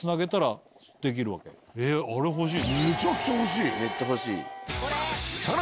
あれ欲しい。